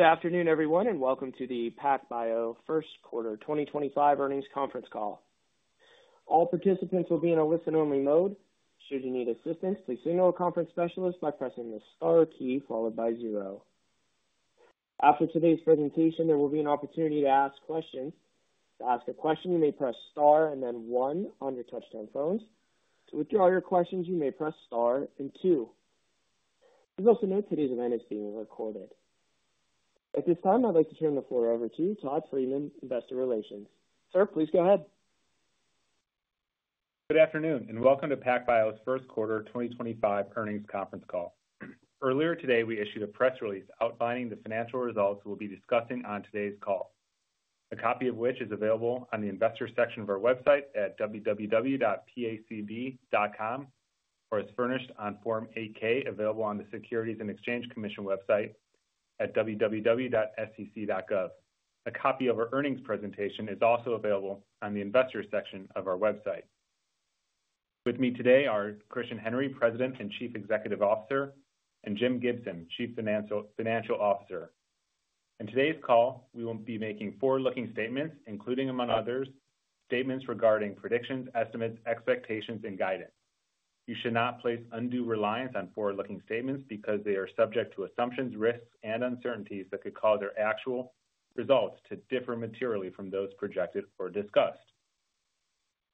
Good afternoon, everyone, and welcome to the PacBio first quarter 2025 earnings conference call. All participants will be in a listen-only mode. Should you need assistance, please signal a conference specialist by pressing the star key followed by zero. After today's presentation, there will be an opportunity to ask questions. To ask a question, you may press star and then one on your touch-tone phones. To withdraw your questions, you may press star and two. Please also note today's event is being recorded. At this time, I'd like to turn the floor over to Todd Friedman, Investor Relations. Sir, please go ahead. Good afternoon, and welcome to PacBio's first quarter 2025 earnings conference call. Earlier today, we issued a press release outlining the financial results we'll be discussing on today's call, a copy of which is available on the Investor section of our website at www.pacb.com or as furnished on Form 8-K available on the Securities and Exchange Commission website at www.sec.gov. A copy of our earnings presentation is also available on the Investor section of our website. With me today are Christian Henry, President and Chief Executive Officer, and Jim Gibson, Chief Financial Officer. In today's call, we will be making forward-looking statements, including, among others, statements regarding predictions, estimates, expectations, and guidance. You should not place undue reliance on forward-looking statements because they are subject to assumptions, risks, and uncertainties that could cause their actual results to differ materially from those projected or discussed.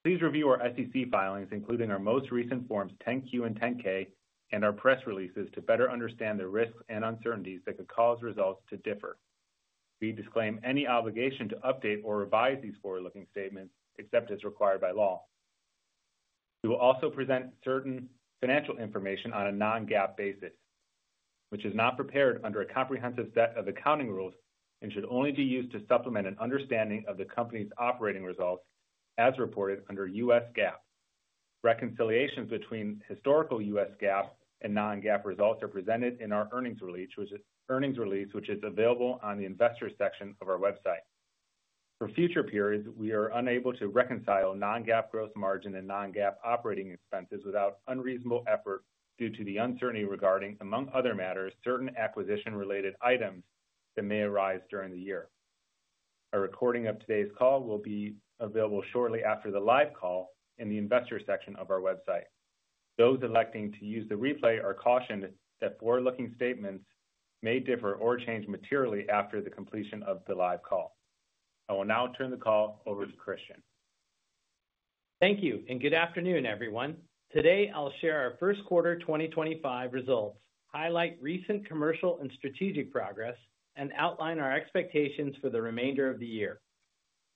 Please review our SEC filings, including our most recent Forms 10-Q and 10-K, and our press releases, to better understand the risks and uncertainties that could cause results to differ. We disclaim any obligation to update or revise these forward-looking statements except as required by law. We will also present certain financial information on a non-GAAP basis, which is not prepared under a comprehensive set of accounting rules and should only be used to supplement an understanding of the company's operating results as reported under U.S. GAAP. Reconciliations between historical U.S. GAAP and non-GAAP results are presented in our earnings release, which is available on the Investor section of our website. For future periods, we are unable to reconcile non-GAAP gross margin and non-GAAP operating expenses without unreasonable effort due to the uncertainty regarding, among other matters, certain acquisition-related items that may arise during the year. A recording of today's call will be available shortly after the live call in the Investor section of our website. Those electing to use the replay are cautioned that forward-looking statements may differ or change materially after the completion of the live call. I will now turn the call over to Christian. Thank you, and good afternoon, everyone. Today, I'll share our first quarter 2025 results, highlight recent commercial and strategic progress, and outline our expectations for the remainder of the year.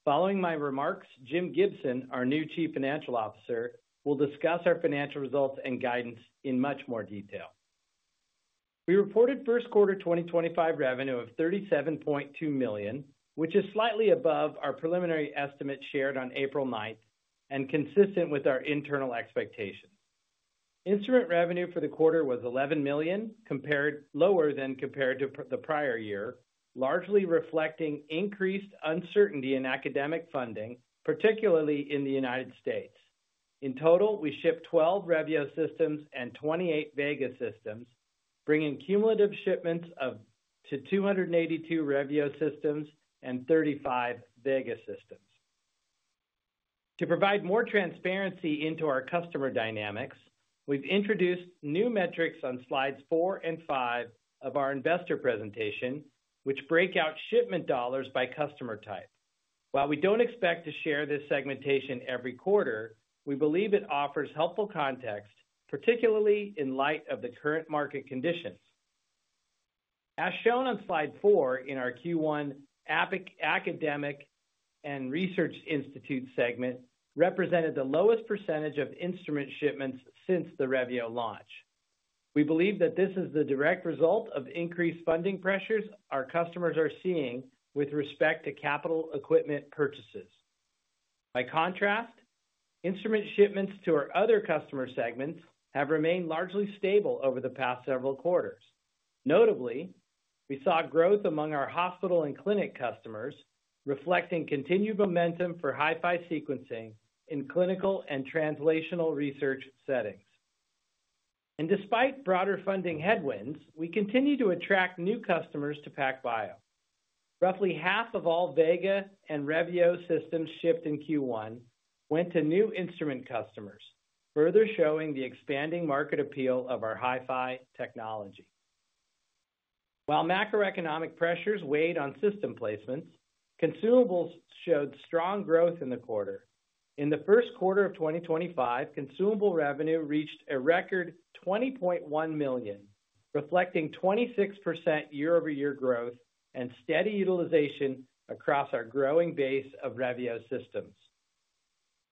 Following my remarks, Jim Gibson, our new Chief Financial Officer, will discuss our financial results and guidance in much more detail. We reported first quarter 2025 revenue of $37.2 million, which is slightly above our preliminary estimate shared on April 9th and consistent with our internal expectations. Instrument revenue for the quarter was $11 million, lower than compared to the prior year, largely reflecting increased uncertainty in academic funding, particularly in the United States. In total, we shipped 12 Revio systems and 28 Vega systems, bringing cumulative shipments to 282 Revio systems and 35 Vega systems. To provide more transparency into our customer dynamics, we've introduced new metrics on slides four and five of our Investor presentation, which break out shipment dollars by customer type. While we don't expect to share this segmentation every quarter, we believe it offers helpful context, particularly in light of the current market conditions. As shown on slide four in our Q1 Academic and Research Institute segment, we represented the lowest percentage of instrument shipments since the Revio launch. We believe that this is the direct result of increased funding pressures our customers are seeing with respect to capital equipment purchases. By contrast, instrument shipments to our other customer segments have remained largely stable over the past several quarters. Notably, we saw growth among our hospital and clinic customers, reflecting continued momentum for HiFi sequencing in clinical and translational research settings. Despite broader funding headwinds, we continue to attract new customers to PacBio. Roughly half of all Vega and Revio systems shipped in Q1 went to new instrument customers, further showing the expanding market appeal of our HiFi technology. While macroeconomic pressures weighed on system placements, consumables showed strong growth in the quarter. In the first quarter of 2025, consumable revenue reached a record $20.1 million, reflecting 26% year-over-year growth and steady utilization across our growing base of Revio systems.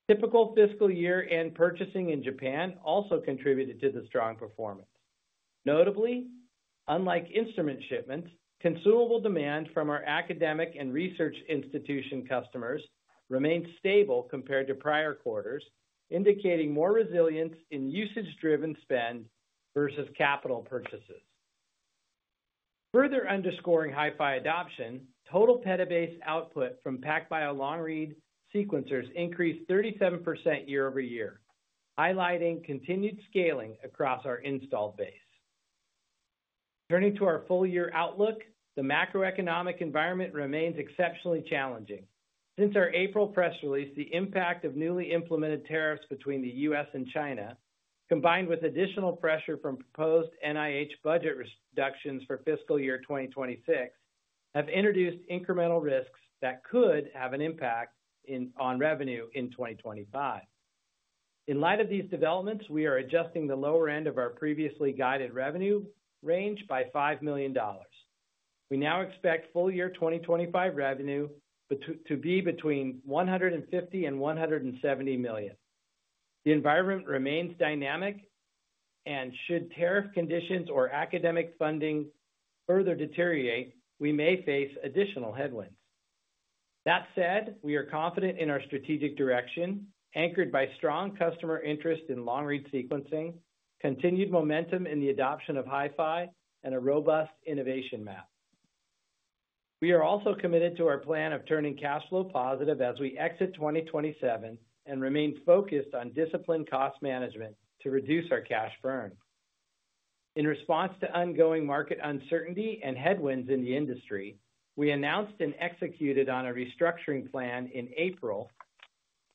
Typical fiscal year-end purchasing in Japan also contributed to the strong performance. Notably, unlike instrument shipments, consumable demand from our academic and research institution customers remained stable compared to prior quarters, indicating more resilience in usage-driven spend versus capital purchases. Further underscoring HiFi adoption, total petabase output from PacBio long-read sequencers increased 37% year-over-year, highlighting continued scaling across our installed base. Turning to our full-year outlook, the macroeconomic environment remains exceptionally challenging. Since our April press release, the impact of newly implemented tariffs between the U.S. and China, combined with additional pressure from proposed NIH budget reductions for fiscal year 2026, have introduced incremental risks that could have an impact on revenue in 2025. In light of these developments, we are adjusting the lower end of our previously guided revenue range by $5 million. We now expect full-year 2025 revenue to be between $150 million and $170 million. The environment remains dynamic, and should tariff conditions or academic funding further deteriorate, we may face additional headwinds. That said, we are confident in our strategic direction, anchored by strong customer interest in long-read sequencing, continued momentum in the adoption of HiFi, and a robust innovation map. We are also committed to our plan of turning cash flow positive as we exit 2027 and remain focused on disciplined cost management to reduce our cash burn. In response to ongoing market uncertainty and headwinds in the industry, we announced and executed on a restructuring plan in April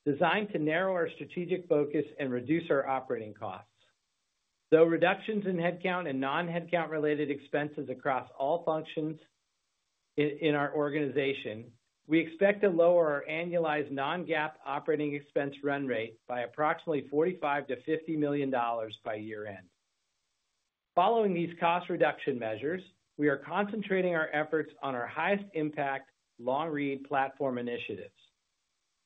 designed to narrow our strategic focus and reduce our operating costs. Through reductions in headcount and non-headcount-related expenses across all functions in our organization, we expect to lower our annualized non-GAAP operating expense run rate by approximately $45 million-$50 million by year-end. Following these cost reduction measures, we are concentrating our efforts on our highest impact long-read platform initiatives.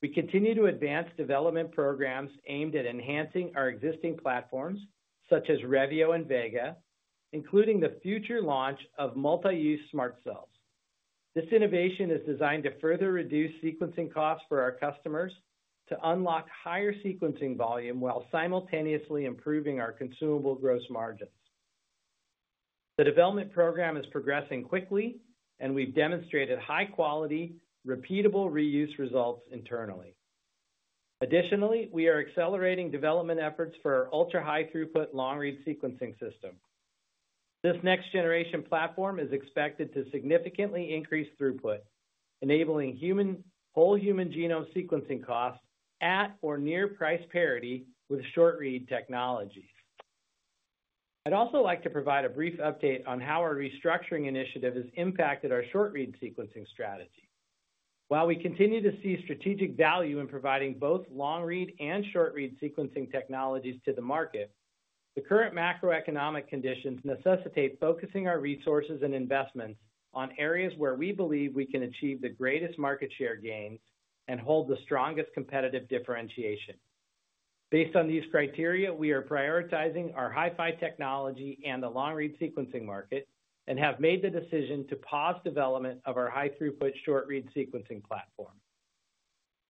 We continue to advance development programs aimed at enhancing our existing platforms, such as Revio and Vega, including the future launch of multi-use smart cells. This innovation is designed to further reduce sequencing costs for our customers to unlock higher sequencing volume while simultaneously improving our consumable gross margins. The development program is progressing quickly, and we've demonstrated high-quality, repeatable reuse results internally. Additionally, we are accelerating development efforts for our ultra-high-throughput long-read sequencing system. This next-generation platform is expected to significantly increase throughput, enabling whole human genome sequencing costs at or near price parity with short-read technologies. I'd also like to provide a brief update on how our restructuring initiative has impacted our short-read sequencing strategy. While we continue to see strategic value in providing both long-read and short-read sequencing technologies to the market, the current macroeconomic conditions necessitate focusing our resources and investments on areas where we believe we can achieve the greatest market share gains and hold the strongest competitive differentiation. Based on these criteria, we are prioritizing our HiFi technology and the long-read sequencing market and have made the decision to pause development of our high-throughput short-read sequencing platform.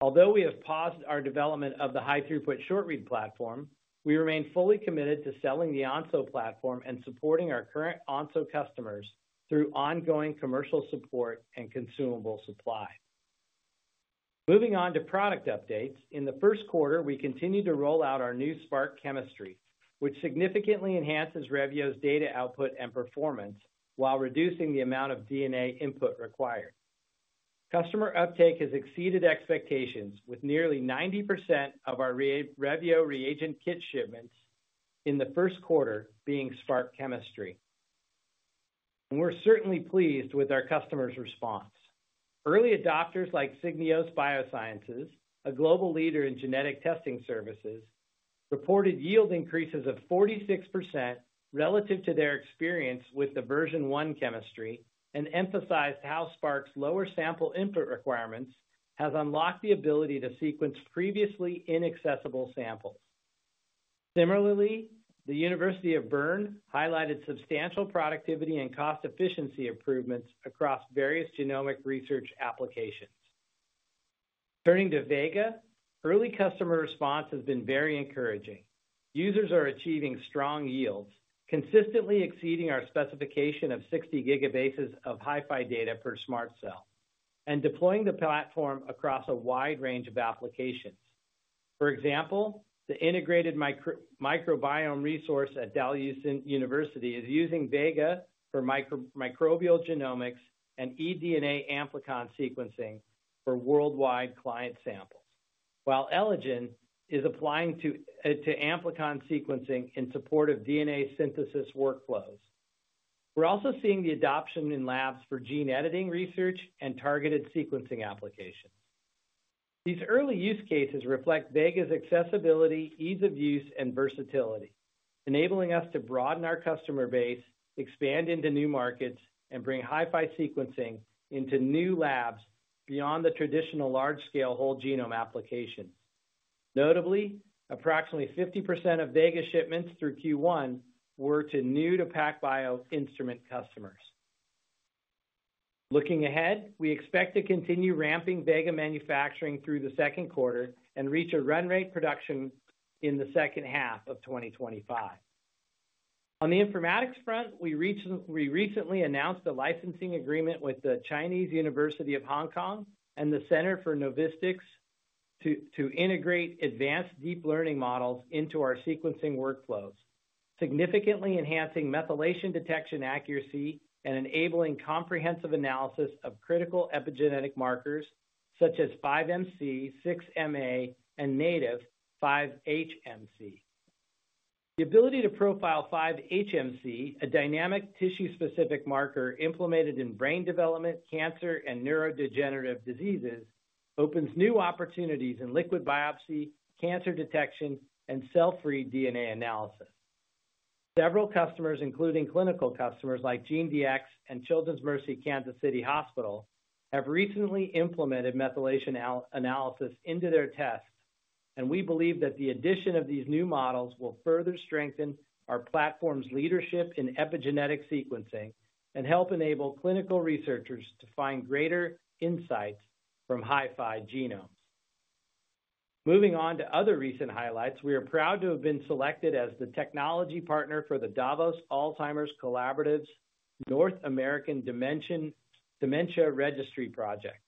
Although we have paused our development of the high-throughput short-read platform, we remain fully committed to selling the Onso platform and supporting our current Onso customers through ongoing commercial support and consumable supply. Moving on to product updates, in the first quarter, we continue to roll out our new SPRQ chemistry, which significantly enhances Revio's data output and performance while reducing the amount of DNA input required. Customer uptake has exceeded expectations, with nearly 90% of our Revio reagent kit shipments in the first quarter being SPRQ chemistry. We're certainly pleased with our customers' response. Early adopters like Signios Biosciences, a global leader in genetic testing services, reported yield increases of 46% relative to their experience with the version one chemistry and emphasized how SPRQ's lower sample input requirements have unlocked the ability to sequence previously inaccessible samples. Similarly, the University of Bern highlighted substantial productivity and cost efficiency improvements across various genomic research applications. Turning to Vega, early customer response has been very encouraging. Users are achieving strong yields, consistently exceeding our specification of 60 gigabases of HiFi data per smart cell, and deploying the platform across a wide range of applications. For example, the Integrated Microbiome Resource at Dalhousie University is using Vega for microbial genomics and eDNA amplicon sequencing for worldwide client samples, while Elegen is applying to amplicon sequencing in support of DNA synthesis workflows. We're also seeing the adoption in labs for gene editing research and targeted sequencing applications. These early use cases reflect Vega's accessibility, ease of use, and versatility, enabling us to broaden our customer base, expand into new markets, and bring HiFi sequencing into new labs beyond the traditional large-scale whole genome applications. Notably, approximately 50% of Vega shipments through Q1 were to new-to-PacBio instrument customers. Looking ahead, we expect to continue ramping Vega manufacturing through the second quarter and reach a run rate production in the second half of 2025. On the informatics front, we recently announced a licensing agreement with the Chinese University of Hong Kong and the Center for Novostics to integrate advanced deep learning models into our sequencing workflows, significantly enhancing methylation detection accuracy and enabling comprehensive analysis of critical epigenetic markers such as 5mc, 6ma, and native 5hmc. The ability to profile 5hmc, a dynamic tissue-specific marker implemented in brain development, cancer, and neurodegenerative diseases, opens new opportunities in liquid biopsy, cancer detection, and cell-free DNA analysis. Several customers, including clinical customers like GeneDx and Children's Mercy Kansas City Hospital, have recently implemented methylation analysis into their tests, and we believe that the addition of these new models will further strengthen our platform's leadership in epigenetic sequencing and help enable clinical researchers to find greater insights from HiFi genomes. Moving on to other recent highlights, we are proud to have been selected as the technology partner for the Davos Alzheimer's Collaborative's North American Dementia Registry Project.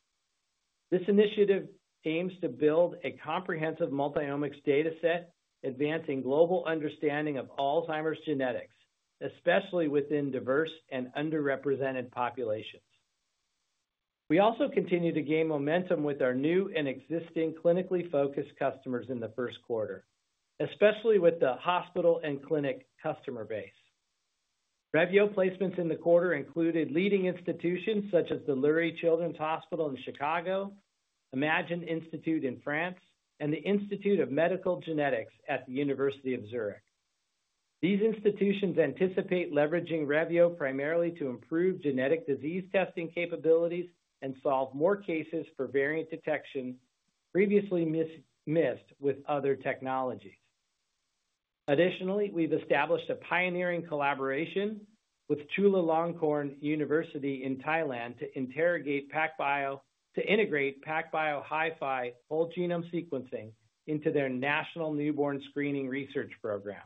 This initiative aims to build a comprehensive multi-omics dataset, advancing global understanding of Alzheimer's genetics, especially within diverse and underrepresented populations. We also continue to gain momentum with our new and existing clinically focused customers in the first quarter, especially with the hospital and clinic customer base. Revio placements in the quarter included leading institutions such as the Lurie Children's Hospital in Chicago, Imagine Institute in France, and the Institute of Medical Genetics at the University of Zurich. These institutions anticipate leveraging Revio primarily to improve genetic disease testing capabilities and solve more cases for variant detection previously missed with other technologies. Additionally, we've established a pioneering collaboration with Chulalongkorn University in Thailand to integrate PacBio's whole genome sequencing into their national newborn screening research program,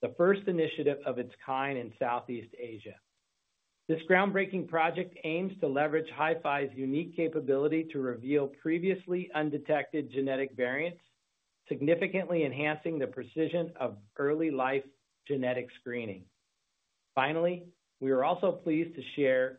the first initiative of its kind in Southeast Asia. This groundbreaking project aims to leverage HiFi's unique capability to reveal previously undetected genetic variants, significantly enhancing the precision of early-life genetic screening. Finally, we are also pleased to share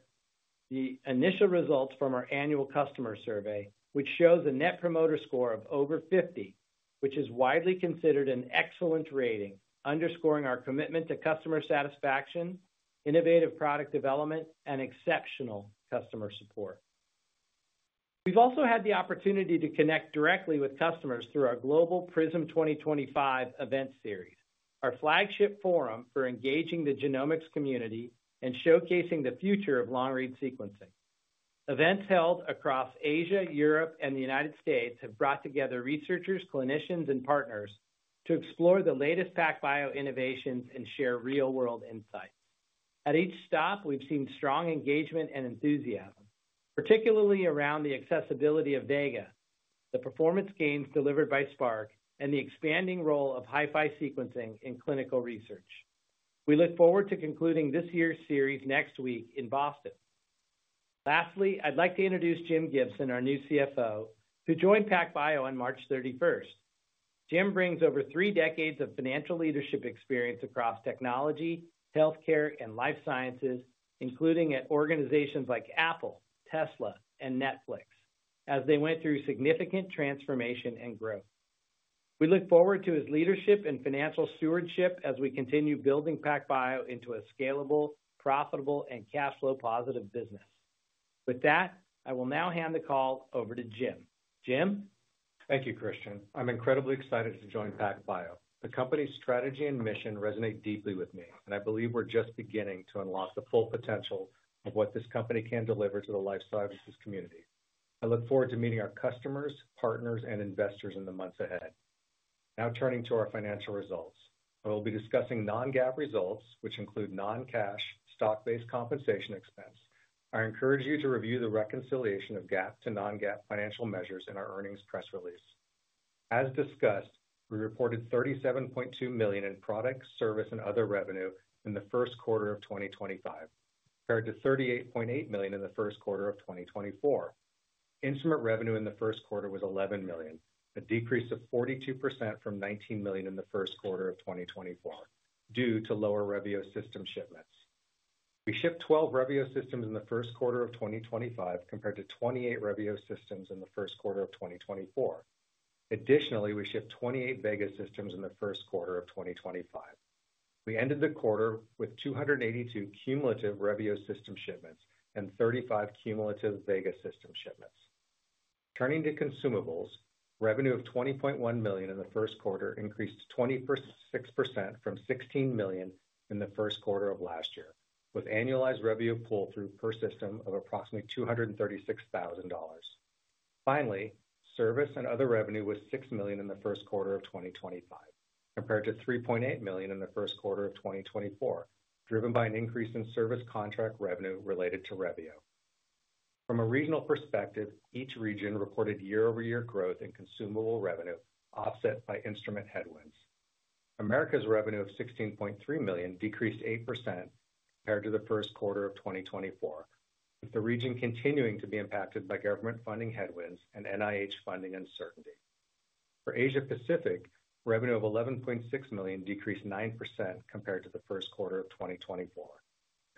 the initial results from our annual customer survey, which shows a net promoter score of over 50, which is widely considered an excellent rating, underscoring our commitment to customer satisfaction, innovative product development, and exceptional customer support. We've also had the opportunity to connect directly with customers through our global PRISM 2025 event series, our flagship forum for engaging the genomics community and showcasing the future of long-read sequencing. Events held across Asia, Europe, and the United States have brought together researchers, clinicians, and partners to explore the latest PacBio innovations and share real-world insights. At each stop, we've seen strong engagement and enthusiasm, particularly around the accessibility of Vega, the performance gains delivered by SPRQ, and the expanding role of HiFi Sequencing in clinical research. We look forward to concluding this year's series next week in Boston. Lastly, I'd like to introduce Jim Gibson, our new CFO, who joined PacBio on March 31st. Jim brings over three decades of financial leadership experience across technology, healthcare, and life sciences, including at organizations like Apple, Tesla, and Netflix, as they went through significant transformation and growth. We look forward to his leadership and financial stewardship as we continue building PacBio into a scalable, profitable, and cash flow positive business. With that, I will now hand the call over to Jim. Jim? Thank you, Christian. I'm incredibly excited to join PacBio. The company's strategy and mission resonate deeply with me, and I believe we're just beginning to unlock the full potential of what this company can deliver to the life sciences community. I look forward to meeting our customers, partners, and investors in the months ahead. Now turning to our financial results, we'll be discussing non-GAAP results, which include non-cash, stock-based compensation expense. I encourage you to review the reconciliation of GAAP to non-GAAP financial measures in our earnings press release. As discussed, we reported $37.2 million in product, service, and other revenue in the first quarter of 2025, compared to $38.8 million in the first quarter of 2024. Instrument revenue in the first quarter was $11 million, a decrease of 42% from $19 million in the first quarter of 2024 due to lower Revio system shipments. We shipped 12 Revio systems in the first quarter of 2025, compared to 28 Revio systems in the first quarter of 2024. Additionally, we shipped 28 Vega systems in the first quarter of 2025. We ended the quarter with 282 cumulative Revio system shipments and 35 cumulative Vega system shipments. Turning to consumables, revenue of $20.1 million in the first quarter increased 26% from $16 million in the first quarter of last year, with annualized Revio pull-through per system of approximately $236,000. Finally, service and other revenue was $6 million in the first quarter of 2025, compared to $3.8 million in the first quarter of 2024, driven by an increase in service contract revenue related to Revio. From a regional perspective, each region reported year-over-year growth in consumable revenue offset by instrument headwinds. Americas revenue of $16.3 million decreased 8% compared to the first quarter of 2024, with the region continuing to be impacted by government funding headwinds and NIH funding uncertainty. For Asia-Pacific, revenue of $11.6 million decreased 9% compared to the first quarter of 2024.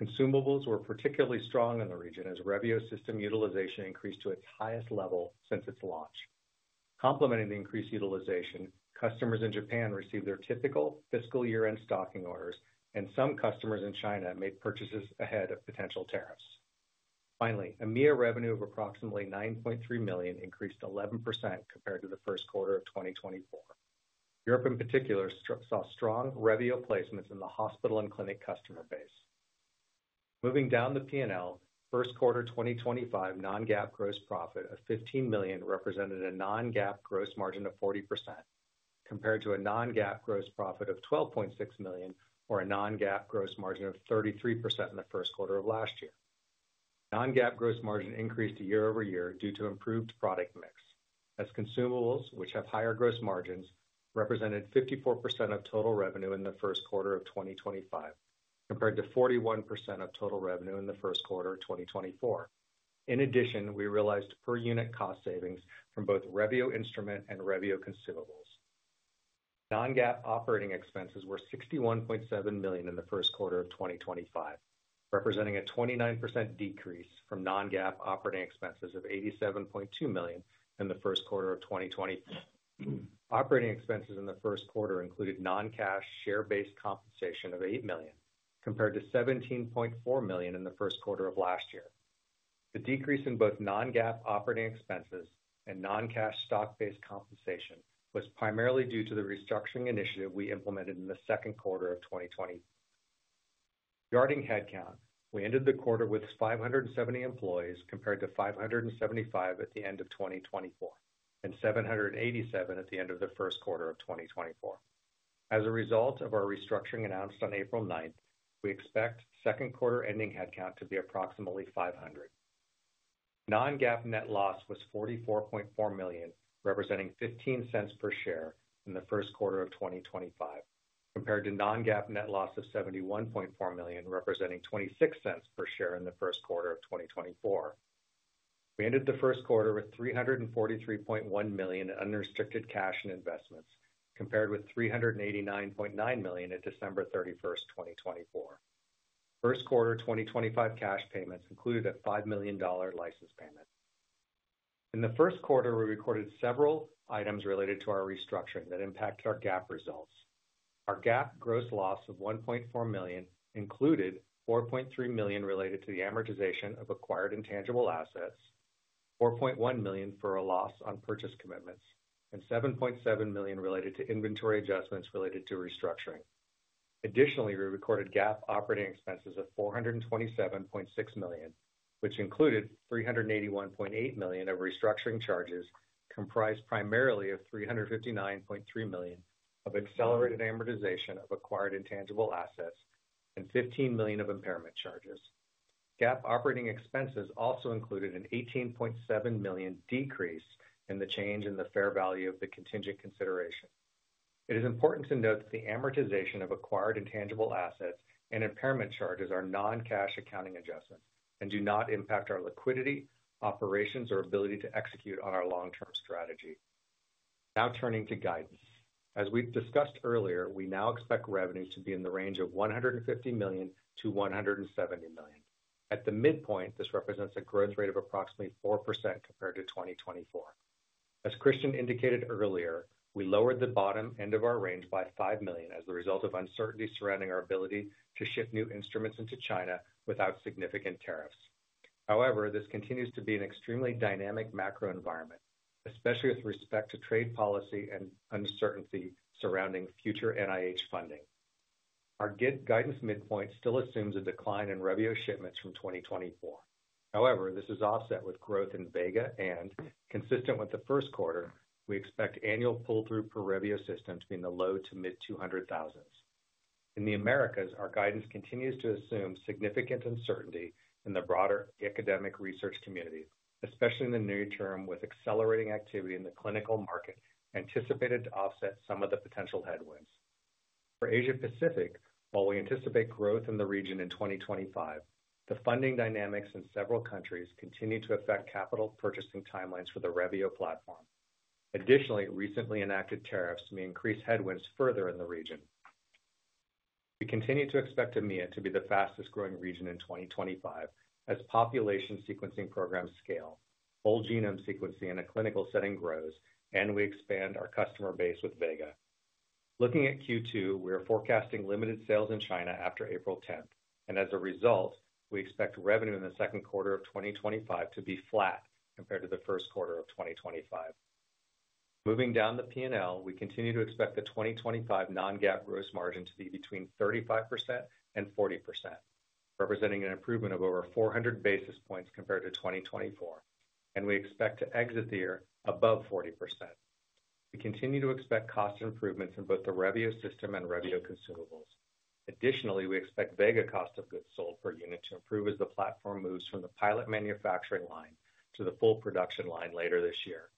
Consumables were particularly strong in the region as Revio system utilization increased to its highest level since its launch. Complementing the increased utilization, customers in Japan received their typical fiscal year-end stocking orders, and some customers in China made purchases ahead of potential tariffs. Finally, EMEA revenue of approximately $9.3 million increased 11% compared to the first quarter of 2024. Europe, in particular, saw strong Revio placements in the hospital and clinic customer base. Moving down the P&L, first quarter 2025 non-GAAP gross profit of $15 million represented a non-GAAP gross margin of 40%, compared to a non-GAAP gross profit of $12.6 million or a non-GAAP gross margin of 33% in the first quarter of last year. Non-GAAP gross margin increased year-over-year due to improved product mix, as consumables, which have higher gross margins, represented 54% of total revenue in the first quarter of 2025, compared to 41% of total revenue in the first quarter of 2024. In addition, we realized per-unit cost savings from both Revio instrument and Revio consumables. Non-GAAP operating expenses were $61.7 million in the first quarter of 2025, representing a 29% decrease from non-GAAP operating expenses of $87.2 million in the first quarter of 2024. Operating expenses in the first quarter included non-cash share-based compensation of $8 million, compared to $17.4 million in the first quarter of last year. The decrease in both non-GAAP operating expenses and non-cash stock-based compensation was primarily due to the restructuring initiative we implemented in the second quarter of 2024. Regarding headcount, we ended the quarter with 570 employees, compared to 575 at the end of 2024 and 787 at the end of the first quarter of 2024. As a result of our restructuring announced on April 9th, we expect second quarter ending headcount to be approximately 500. Non-GAAP net loss was $44.4 million, representing $0.15 per share in the first quarter of 2025, compared to non-GAAP net loss of $71.4 million, representing $0.26 per share in the first quarter of 2024. We ended the first quarter with $343.1 million in unrestricted cash and investments, compared with $389.9 million at December 31, 2024. First quarter 2025 cash payments included a $5 million license payment. In the first quarter, we recorded several items related to our restructuring that impacted our GAAP results. Our GAAP gross loss of $1.4 million included $4.3 million related to the amortization of acquired intangible assets, $4.1 million for a loss on purchase commitments, and $7.7 million related to inventory adjustments related to restructuring. Additionally, we recorded GAAP operating expenses of $427.6 million, which included $381.8 million of restructuring charges, comprised primarily of $359.3 million of accelerated amortization of acquired intangible assets and $15 million of impairment charges. GAAP operating expenses also included an $18.7 million decrease in the change in the fair value of the contingent consideration. It is important to note that the amortization of acquired intangible assets and impairment charges are non-cash accounting adjustments and do not impact our liquidity, operations, or ability to execute on our long-term strategy. Now turning to guidance. As we've discussed earlier, we now expect revenue to be in the range of $150 million-$170 million. At the midpoint, this represents a growth rate of approximately 4% compared to 2024. As Christian indicated earlier, we lowered the bottom end of our range by $5 million as a result of uncertainty surrounding our ability to ship new instruments into China without significant tariffs. However, this continues to be an extremely dynamic macro environment, especially with respect to trade policy and uncertainty surrounding future NIH funding. Our guidance midpoint still assumes a decline in Revio shipments from 2024. However, this is offset with growth in Vega and, consistent with the first quarter, we expect annual pull-through per Revio system to be in the low to mid-$200,000. In the Americas, our guidance continues to assume significant uncertainty in the broader academic research community, especially in the near term with accelerating activity in the clinical market anticipated to offset some of the potential headwinds. For Asia-Pacific, while we anticipate growth in the region in 2025, the funding dynamics in several countries continue to affect capital purchasing timelines for the Revio platform. Additionally, recently enacted tariffs may increase headwinds further in the region. We continue to expect EMEA to be the fastest-growing region in 2025 as population sequencing programs scale, whole genome sequencing in a clinical setting grows, and we expand our customer base with Vega. Looking at Q2, we are forecasting limited sales in China after April 10th, and as a result, we expect revenue in the second quarter of 2025 to be flat compared to the first quarter of 2025. Moving down the P&L, we continue to expect the 2025 non-GAAP gross margin to be between 35% and 40%, representing an improvement of over 400 basis points compared to 2024, and we expect to exit the year above 40%. We continue to expect cost improvements in both the Revio system and Revio consumables. Additionally, we expect Vega cost of goods sold per unit to improve as the platform moves from the pilot manufacturing line to the full production line later this year.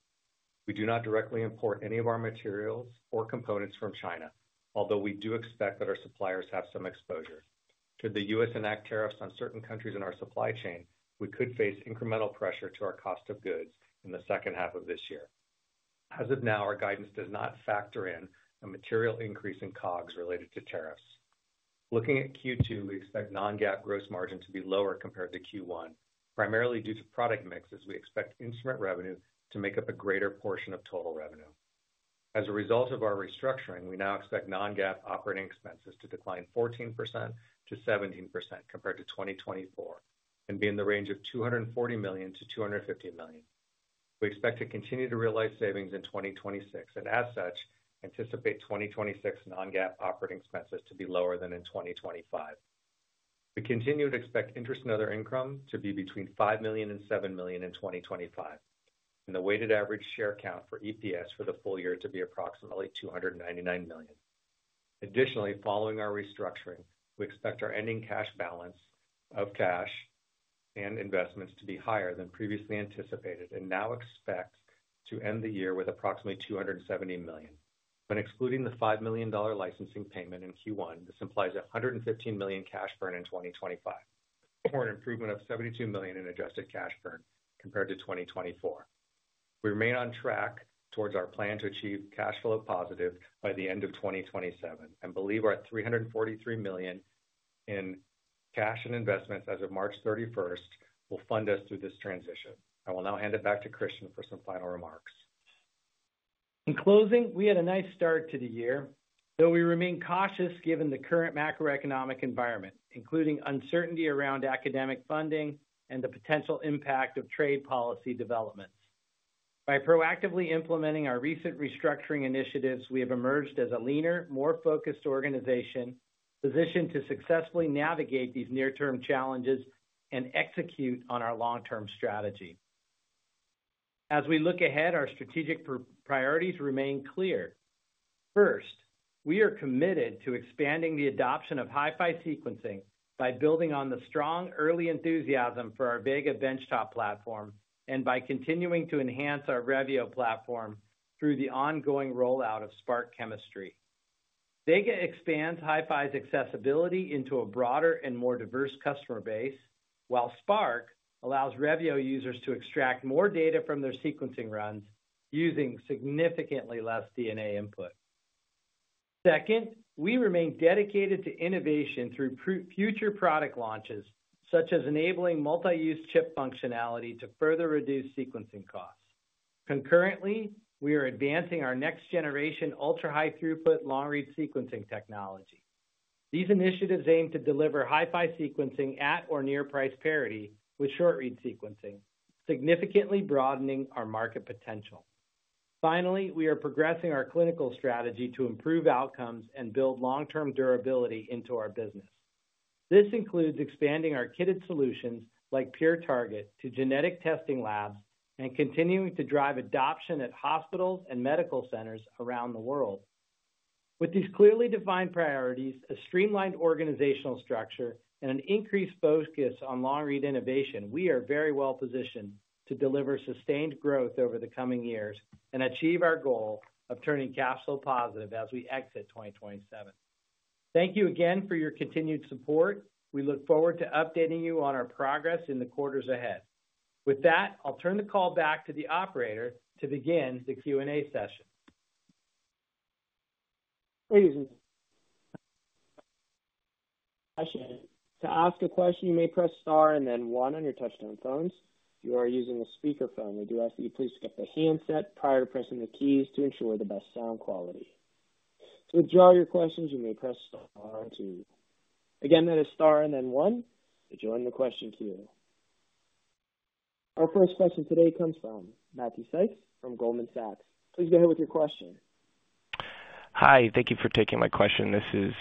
We do not directly import any of our materials or components from China, although we do expect that our suppliers have some exposure. Should the U.S. enact tariffs on certain countries in our supply chain, we could face incremental pressure to our cost of goods in the second half of this year. As of now, our guidance does not factor in a material increase in COGS related to tariffs. Looking at Q2, we expect non-GAAP gross margin to be lower compared to Q1, primarily due to product mixes we expect instrument revenue to make up a greater portion of total revenue. As a result of our restructuring, we now expect non-GAAP operating expenses to decline 14%-17% compared to 2024 and be in the range of $240 million-$250 million. We expect to continue to realize savings in 2026 and, as such, anticipate 2026 non-GAAP operating expenses to be lower than in 2025. We continue to expect interest and other income to be between $5 million and $7 million in 2025, and the weighted average share count for EPS for the full year to be approximately 299 million. Additionally, following our restructuring, we expect our ending cash balance of cash and investments to be higher than previously anticipated and now expect to end the year with approximately $270 million. When excluding the $5 million licensing payment in Q1, this implies a $115 million cash burn in 2025 or an improvement of $72 million in adjusted cash burn compared to 2024. We remain on track towards our plan to achieve cash flow positive by the end of 2027 and believe our $343 million in cash and investments as of March 31 will fund us through this transition. I will now hand it back to Christian for some final remarks. In closing, we had a nice start to the year, though we remain cautious given the current macroeconomic environment, including uncertainty around academic funding and the potential impact of trade policy developments. By proactively implementing our recent restructuring initiatives, we have emerged as a leaner, more focused organization positioned to successfully navigate these near-term challenges and execute on our long-term strategy. As we look ahead, our strategic priorities remain clear. First, we are committed to expanding the adoption of HiFi sequencing by building on the strong early enthusiasm for our Vega benchtop platform and by continuing to enhance our Revio platform through the ongoing rollout of SPRQ Chemistry. Vega expands HiFi's accessibility into a broader and more diverse customer base, while SPRQ allows Revio users to extract more data from their sequencing runs using significantly less DNA input. Second, we remain dedicated to innovation through future product launches, such as enabling multi-use chip functionality to further reduce sequencing costs. Concurrently, we are advancing our next-generation ultra-high-throughput long-read sequencing technology. These initiatives aim to deliver HiFi sequencing at or near price parity with short-read sequencing, significantly broadening our market potential. Finally, we are progressing our clinical strategy to improve outcomes and build long-term durability into our business. This includes expanding our kitted solutions like PureTarget to genetic testing labs and continuing to drive adoption at hospitals and medical centers around the world. With these clearly defined priorities, a streamlined organizational structure, and an increased focus on long-read innovation, we are very well positioned to deliver sustained growth over the coming years and achieve our goal of turning cash flow positive as we exit 2027. Thank you again for your continued support. We look forward to updating you on our progress in the quarters ahead. With that, I'll turn the call back to the operator to begin the Q&A session. Ladies and gentlemen, to ask a question, you may press Star and then 1 on your touch-tone phones. If you are using a speakerphone, we do ask that you please get the handset prior to pressing the keys to ensure the best sound quality. To withdraw your questions, you may press Star and 2. Again, that is Star and then 1 to join the question queue. Our first question today comes from Matthew Sykes from Goldman Sachs. Please go ahead with your question. Hi. Thank you for taking my question. This is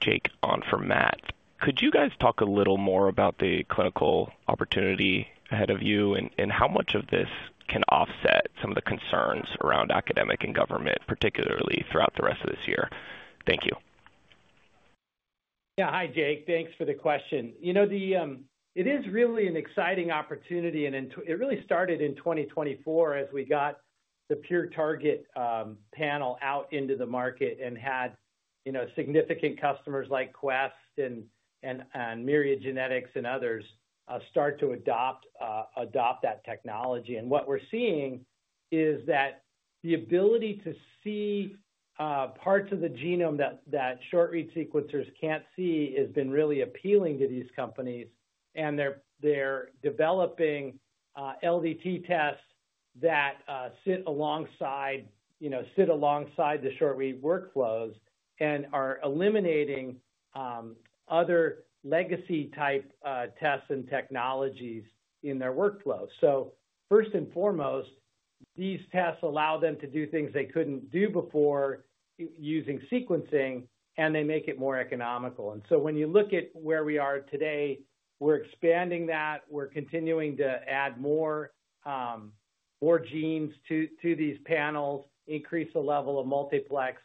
Jake on for Matt. Could you guys talk a little more about the clinical opportunity ahead of you and how much of this can offset some of the concerns around academic and government, particularly throughout the rest of this year? Thank you. Yeah. Hi, Jake. Thanks for the question. You know, it is really an exciting opportunity, and it really started in 2024 as we got the PureTarget panel out into the market and had significant customers like Quest and Myriad Genetics and others start to adopt that technology. What we're seeing is that the ability to see parts of the genome that short-read sequencers can't see has been really appealing to these companies, and they're developing LDT tests that sit alongside the short-read workflows and are eliminating other legacy-type tests and technologies in their workflow. First and foremost, these tests allow them to do things they couldn't do before using sequencing, and they make it more economical. When you look at where we are today, we're expanding that. We're continuing to add more genes to these panels, increase the level of multiplex.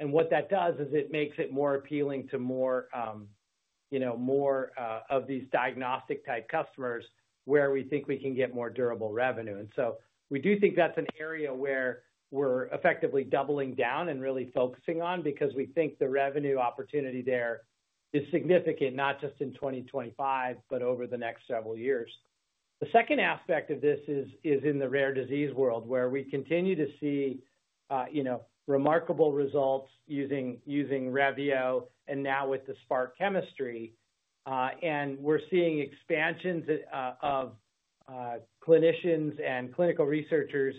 What that does is it makes it more appealing to more of these diagnostic-type customers where we think we can get more durable revenue. We do think that is an area where we are effectively doubling down and really focusing on because we think the revenue opportunity there is significant, not just in 2025, but over the next several years. The second aspect of this is in the rare disease world where we continue to see remarkable results using Revio and now with the SPRQ Chemistry. We are seeing expansions of clinicians and clinical researchers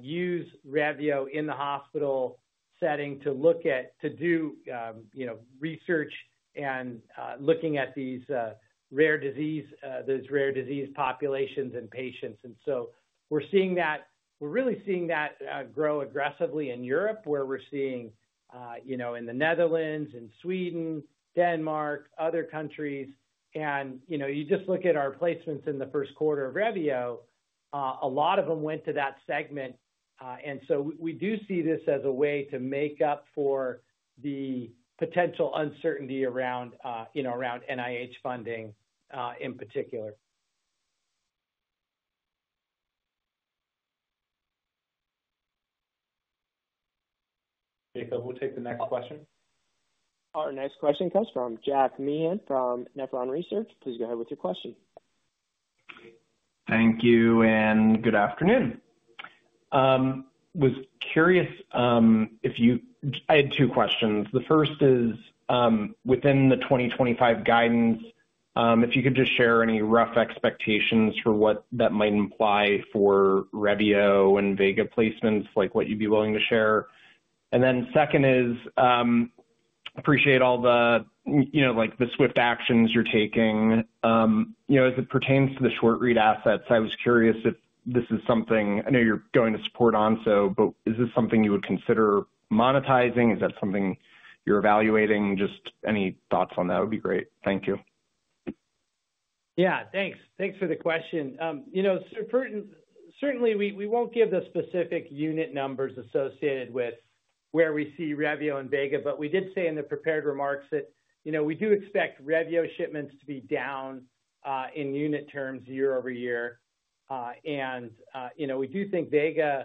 use Revio in the hospital setting to do research and look at these rare disease populations and patients. We are seeing that grow aggressively in Europe, where we are seeing it in the Netherlands, Sweden, Denmark, and other countries. If you just look at our placements in the first quarter of Revio, a lot of them went to that segment. We do see this as a way to make up for the potential uncertainty around NIH funding in particular. Jacob, we'll take the next question. Our next question comes from Jack Meehan from Nephron Research. Please go ahead with your question. Thank you and good afternoon. I was curious if you—I had two questions. The first is, within the 2025 guidance, if you could just share any rough expectations for what that might imply for Revio and Vega placements, like what you'd be willing to share. And then second is, appreciate all the swift actions you're taking. As it pertains to the short-read assets, I was curious if this is something—I know you're going to support Onso, but is this something you would consider monetizing? Is that something you're evaluating? Just any thoughts on that would be great. Thank you. Yeah. Thanks. Thanks for the question. Certainly, we won't give the specific unit numbers associated with where we see Revio and Vega, but we did say in the prepared remarks that we do expect Revio shipments to be down in unit terms year-over-year. We do think Vega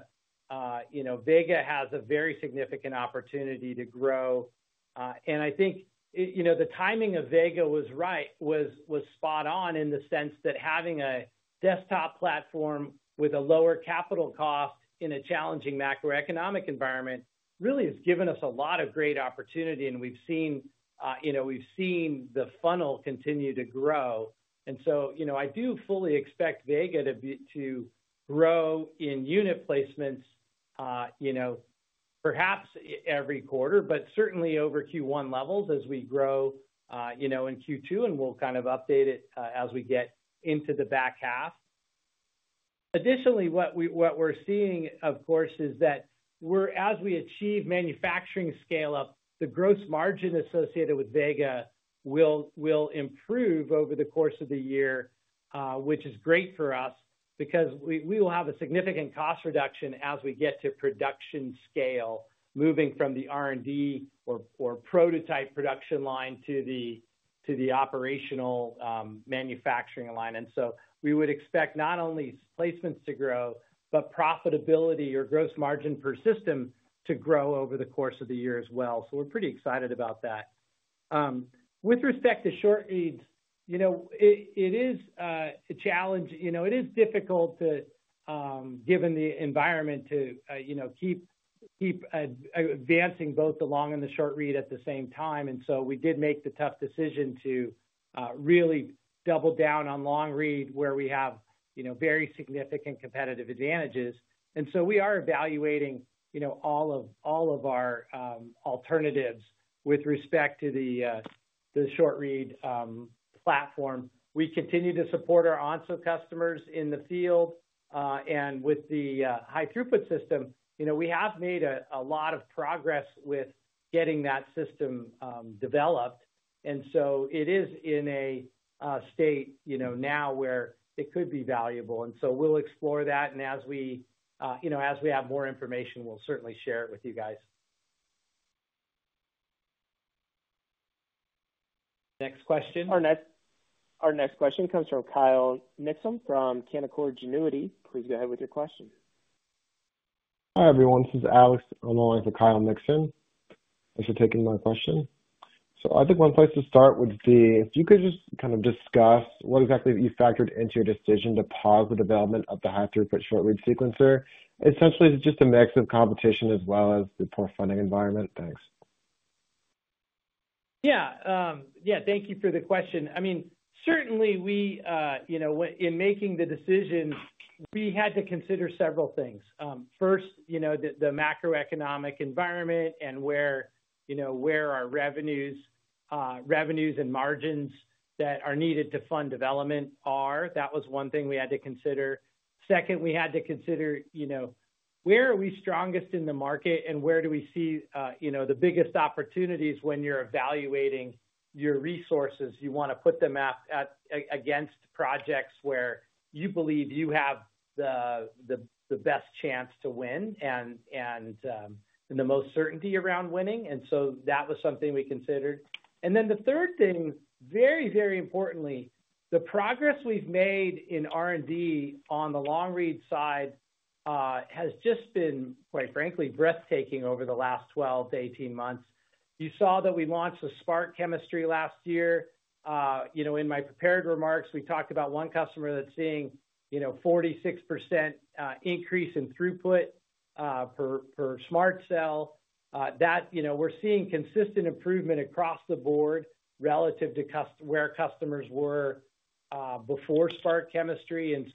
has a very significant opportunity to grow. I think the timing of Vega was right, was spot on in the sense that having a desktop platform with a lower capital cost in a challenging macroeconomic environment really has given us a lot of great opportunity. We have seen the funnel continue to grow. I do fully expect Vega to grow in unit placements, perhaps every quarter, but certainly over Q1 levels as we grow in Q2, and we will kind of update it as we get into the back half. Additionally, what we're seeing, of course, is that as we achieve manufacturing scale-up, the gross margin associated with Vega will improve over the course of the year, which is great for us because we will have a significant cost reduction as we get to production scale, moving from the R&D or prototype production line to the operational manufacturing line. We would expect not only placements to grow, but profitability or gross margin per system to grow over the course of the year as well. We're pretty excited about that. With respect to short-reads, it is a challenge. It is difficult, given the environment, to keep advancing both the long and the short-read at the same time. We did make the tough decision to really double down on long-read, where we have very significant competitive advantages. We are evaluating all of our alternatives with respect to the short-read platform. We continue to support our Onso customers in the field. With the high-throughput system, we have made a lot of progress with getting that system developed. It is in a state now where it could be valuable. We will explore that. As we have more information, we will certainly share it with you guys. Next question. Our next question comes from Kyle Mikson from Canaccord Genuity. Please go ahead with your question. Hi, everyone. This is Alex on the line for Kyle Mikson. Thanks for taking my question. I think one place to start would be if you could just kind of discuss what exactly you factored into your decision to pause the development of the high-throughput short-read sequencer. Essentially, is it just a mix of competition as well as the poor funding environment? Thanks. Yeah. Yeah. Thank you for the question. I mean, certainly, in making the decision, we had to consider several things. First, the macroeconomic environment and where our revenues and margins that are needed to fund development are. That was one thing we had to consider. Second, we had to consider where are we strongest in the market and where do we see the biggest opportunities when you're evaluating your resources. You want to put them up against projects where you believe you have the best chance to win and the most certainty around winning. That was something we considered. The third thing, very, very importantly, the progress we've made in R&D on the long-read side has just been, quite frankly, breathtaking over the last 12-18 months. You saw that we launched the SPRQ Chemistry last year. In my prepared remarks, we talked about one customer that's seeing a 46% increase in throughput per SMRT Cell. We're seeing consistent improvement across the board relative to where customers were before SPRQ Chemistry.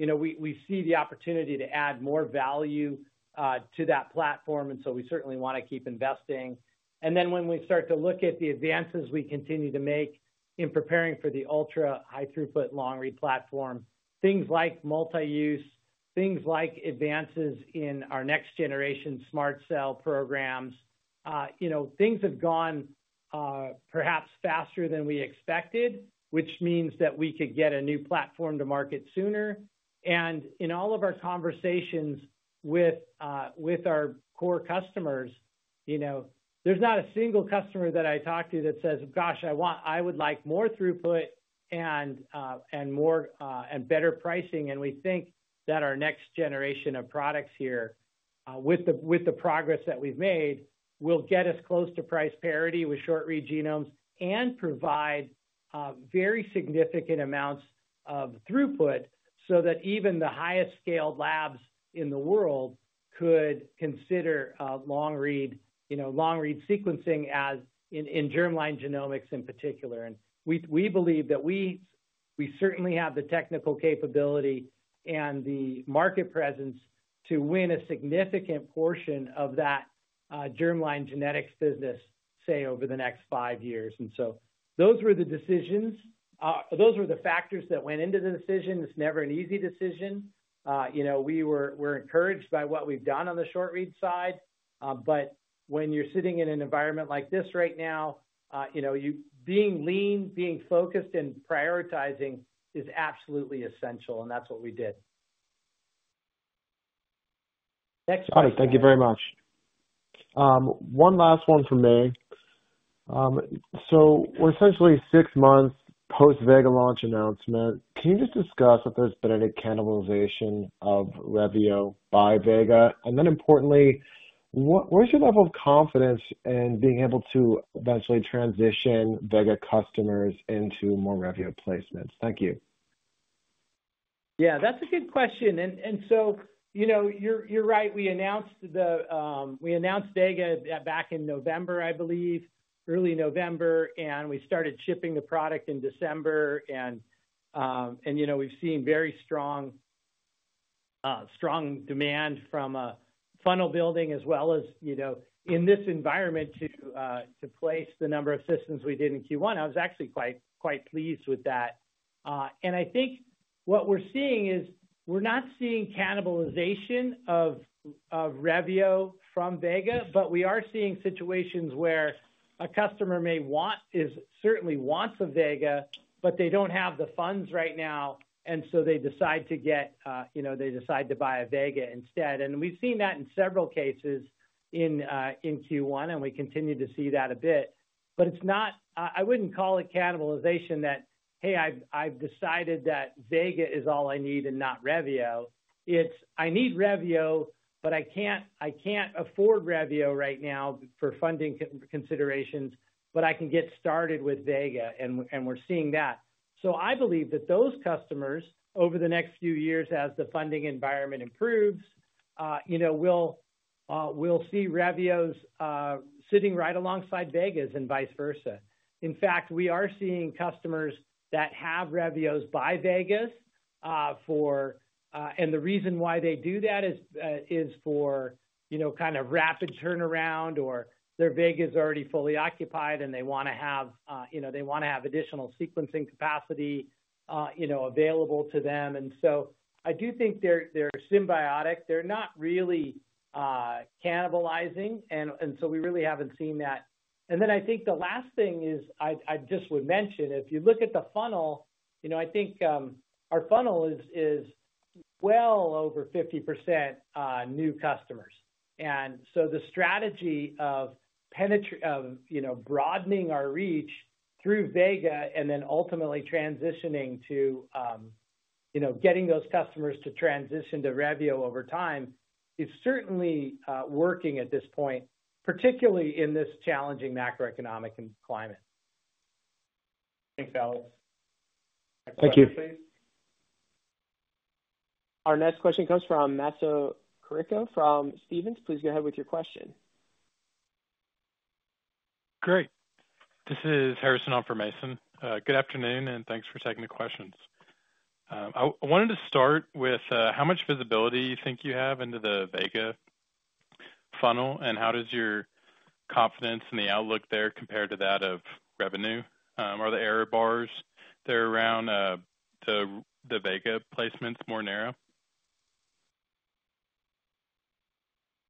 We see the opportunity to add more value to that platform. We certainly want to keep investing. When we start to look at the advances we continue to make in preparing for the ultra-high-throughput long-read platform, things like multi-use, things like advances in our next-generation SMRT Cell programs, things have gone perhaps faster than we expected, which means that we could get a new platform to market sooner. In all of our conversations with our core customers, there's not a single customer that I talked to that says, "Gosh, I would like more throughput and better pricing." We think that our next generation of products here, with the progress that we've made, will get us close to price parity with short-read genomes and provide very significant amounts of throughput so that even the highest-scaled labs in the world could consider long-read sequencing in germline genomics in particular. We believe that we certainly have the technical capability and the market presence to win a significant portion of that germline genetics business, say, over the next five years. Those were the decisions. Those were the factors that went into the decision. It's never an easy decision. We were encouraged by what we've done on the short-read side. When you're sitting in an environment like this right now, being lean, being focused, and prioritizing is absolutely essential. That's what we did. Next question. Alright. Thank you very much. One last one from me. We're essentially six months post-Vega launch announcement. Can you just discuss if there's been any cannibalization of Revio by Vega? Importantly, what is your level of confidence in being able to eventually transition Vega customers into more Revio placements? Thank you. Yeah. That's a good question. You're right. We announced Vega back in November, I believe, early November, and we started shipping the product in December. We've seen very strong demand from funnel building as well as in this environment to place the number of systems we did in Q1. I was actually quite pleased with that. I think what we're seeing is we're not seeing cannibalization of Revio from Vega, but we are seeing situations where a customer certainly wants a Vega, but they don't have the funds right now. They decide to buy a Vega instead. We've seen that in several cases in Q1, and we continue to see that a bit. I wouldn't call it cannibalization that, "Hey, I've decided that Vega is all I need and not Revio." It's, "I need Revio, but I can't afford Revio right now for funding considerations, but I can get started with Vega." We're seeing that. I believe that those customers, over the next few years, as the funding environment improves, we'll see Revios sitting right alongside Vegas and vice versa. In fact, we are seeing customers that have Revios buy Vegas. The reason why they do that is for kind of rapid turnaround or their Vega is already fully occupied and they want to have additional sequencing capacity available to them. I do think they're symbiotic. They're not really cannibalizing. We really haven't seen that. I just would mention, if you look at the funnel, I think our funnel is well over 50% new customers. The strategy of broadening our reach through Vega and then ultimately transitioning to getting those customers to transition to Revio over time is certainly working at this point, particularly in this challenging macroeconomic climate. Thanks, Alex. Next question, please. Thank you. Our next question comes from Mason Carrico from Stephens. Please go ahead with your question. Great. This is Harrison on for Mason. Good afternoon, and thanks for taking the questions. I wanted to start with how much visibility you think you have into the Vega funnel, and how does your confidence and the outlook there compare to that of revenue? Are the error bars there around the Vega placements more narrow?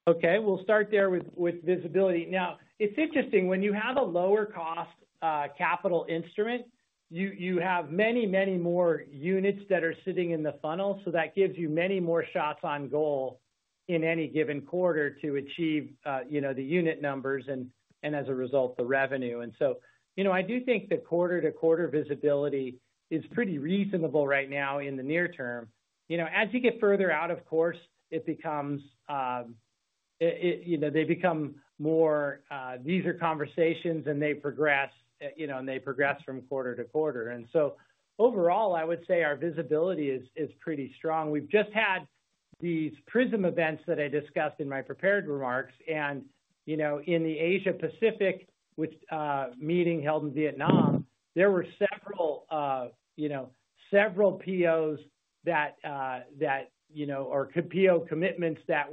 Okay. We'll start there with visibility. Now, it's interesting. When you have a lower-cost capital instrument, you have many, many more units that are sitting in the funnel. That gives you many more shots on goal in any given quarter to achieve the unit numbers and, as a result, the revenue. I do think the quarter-to-quarter visibility is pretty reasonable right now in the near term. As you get further out, of course, it becomes they become more these are conversations, and they progress, and they progress from quarter to quarter. Overall, I would say our visibility is pretty strong. We have just had these PRISM events that I discussed in my prepared remarks. In the Asia-Pacific meeting held in Vietnam, there were several POs or PO commitments that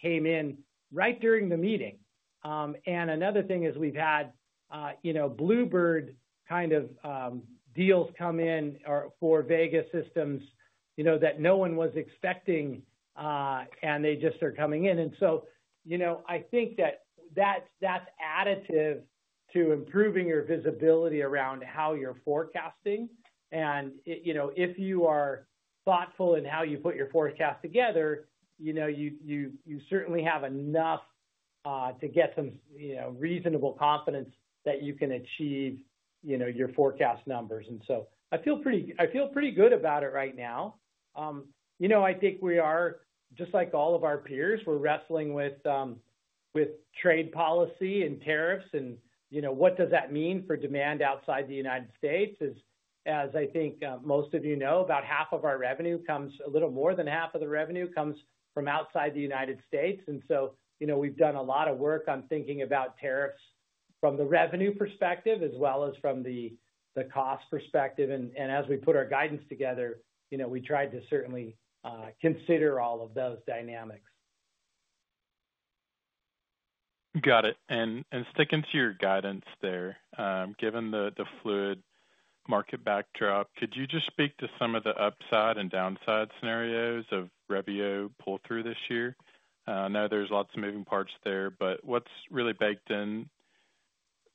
came in right during the meeting. Another thing is we have had Bluebird kind of deals come in for Vega systems that no one was expecting, and they just are coming in. I think that is additive to improving your visibility around how you are forecasting. If you are thoughtful in how you put your forecast together, you certainly have enough to get some reasonable confidence that you can achieve your forecast numbers. I feel pretty good about it right now. I think we are, just like all of our peers, wrestling with trade policy and tariffs. What does that mean for demand outside the United States? As I think most of you know, about half of our revenue, a little more than half of the revenue, comes from outside the United States. We have done a lot of work on thinking about tariffs from the revenue perspective as well as from the cost perspective. As we put our guidance together, we tried to certainly consider all of those dynamics. Got it. Sticking to your guidance there, given the fluid market backdrop, could you just speak to some of the upside and downside scenarios of Revio pull-through this year? I know there are lots of moving parts there, but what is really baked into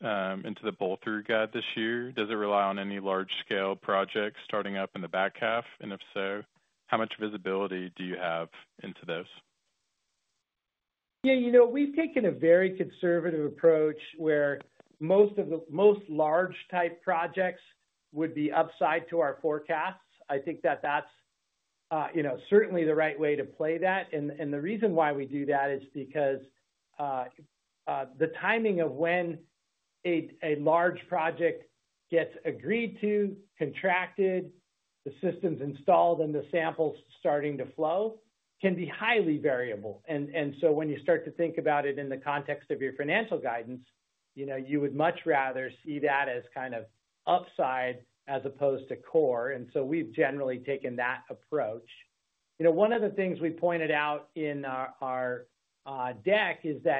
the pull-through guide this year? Does it rely on any large-scale projects starting up in the back half? If so, how much visibility do you have into those? Yeah. We've taken a very conservative approach where most large-type projects would be upside to our forecasts. I think that that's certainly the right way to play that. The reason why we do that is because the timing of when a large project gets agreed to, contracted, the systems installed, and the samples starting to flow can be highly variable. When you start to think about it in the context of your financial guidance, you would much rather see that as kind of upside as opposed to core. We've generally taken that approach. One of the things we pointed out in our deck is that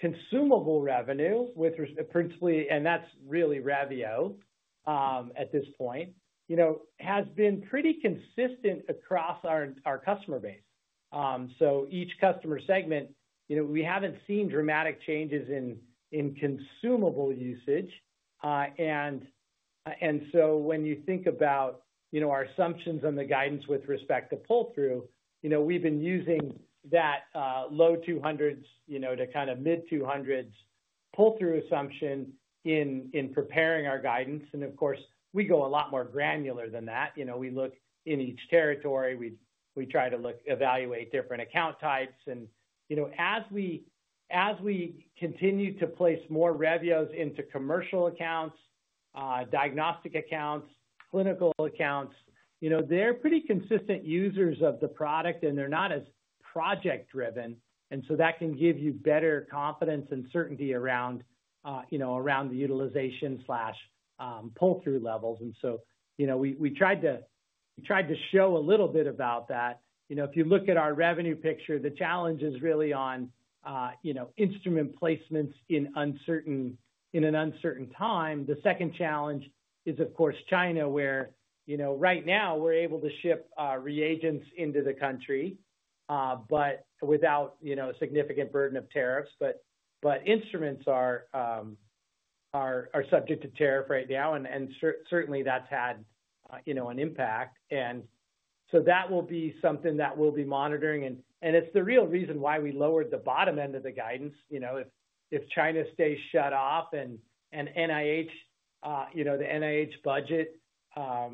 consumable revenue, and that's really Revio at this point, has been pretty consistent across our customer base. Each customer segment, we haven't seen dramatic changes in consumable usage. When you think about our assumptions on the guidance with respect to pull-through, we've been using that low 200s to kind of mid 200s pull-through assumption in preparing our guidance. Of course, we go a lot more granular than that. We look in each territory. We try to evaluate different account types. As we continue to place more Revios into commercial accounts, diagnostic accounts, clinical accounts, they're pretty consistent users of the product, and they're not as project-driven. That can give you better confidence and certainty around the utilization/pull-through levels. We tried to show a little bit about that. If you look at our revenue picture, the challenge is really on instrument placements in an uncertain time. The second challenge is, of course, China, where right now we're able to ship reagents into the country without a significant burden of tariffs. Instruments are subject to tariff right now, and certainly that's had an impact. That will be something that we'll be monitoring. It's the real reason why we lowered the bottom end of the guidance. If China stays shut off and the NIH budget has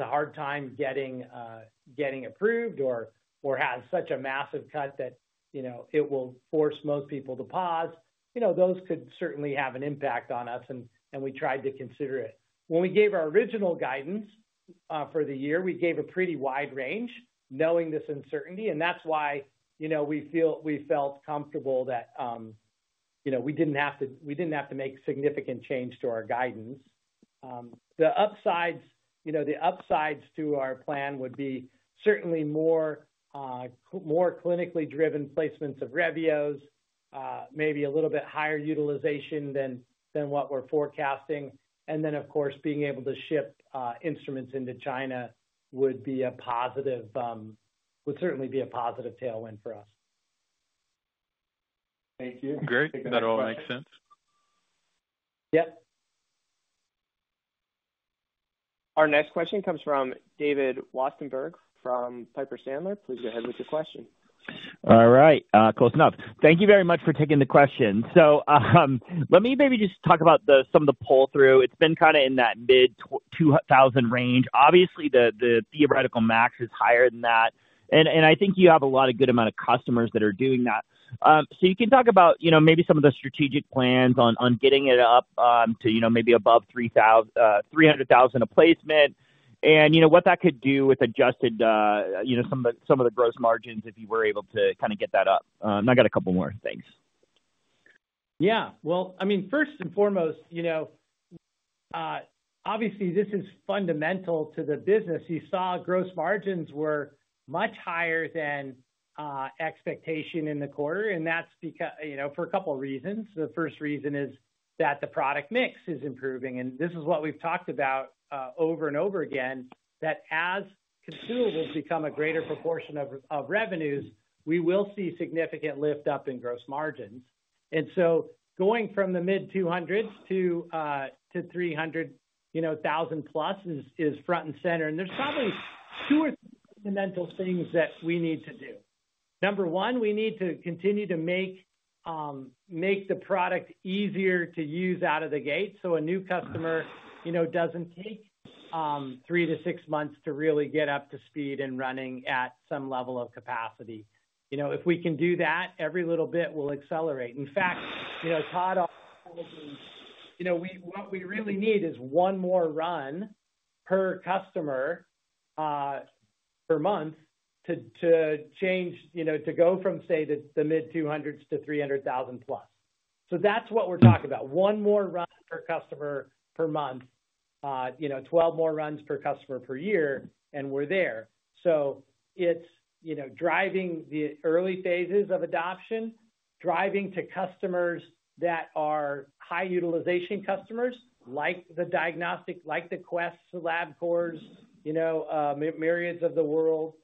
a hard time getting approved or has such a massive cut that it will force most people to pause, those could certainly have an impact on us. We tried to consider it. When we gave our original guidance for the year, we gave a pretty wide range knowing this uncertainty. That's why we felt comfortable that we didn't have to make significant change to our guidance. The upsides to our plan would be certainly more clinically driven placements of Revios, maybe a little bit higher utilization than what we're forecasting. And then, of course, being able to ship instruments into China would certainly be a positive tailwind for us. Thank you. Great. That all makes sense. Yep. Our next question comes from David Westenberg from Piper Sandler. Please go ahead with your question. All right. Close enough. Thank you very much for taking the question. Let me maybe just talk about some of the pull-through. It's been kind of in that mid 2000 range. Obviously, the theoretical max is higher than that. I think you have a lot of good amount of customers that are doing that. You can talk about maybe some of the strategic plans on getting it up to maybe above $300,000 a placement and what that could do with adjusted some of the gross margins if you were able to kind of get that up. I got a couple more things. Yeah. I mean, first and foremost, obviously, this is fundamental to the business. You saw gross margins were much higher than expectation in the quarter. That's for a couple of reasons. The first reason is that the product mix is improving. This is what we've talked about over and over again, that as consumables become a greater proportion of revenues, we will see significant lift-up in gross margins. Going from the mid 200s to 300,000+ is front and center. There's probably two or three fundamental things that we need to do. Number one, we need to continue to make the product easier to use out of the gate so a new customer doesn't take three to six months to really get up to speed and running at some level of capacity. If we can do that, every little bit will accelerate. In fact, Todd, what we really need is one more run per customer per month to go from, say, the mid-200s to 300,000+. That is what we're talking about. One more run per customer per month, 12 more runs per customer per year, and we're there. It is driving the early phases of adoption, driving to customers that are high utilization customers like the diagnostic, like the Quest, Labcorp, Myriads of the world,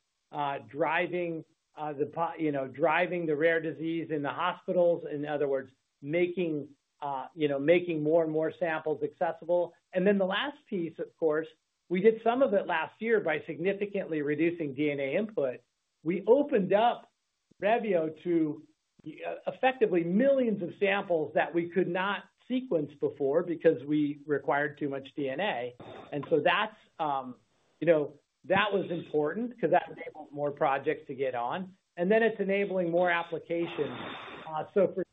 driving the rare disease in the hospitals. In other words, making more and more samples accessible. The last piece, of course, we did some of it last year by significantly reducing DNA input. We opened up Revio to effectively millions of samples that we could not sequence before because we required too much DNA. That was important because that enabled more projects to get on. It is enabling more applications.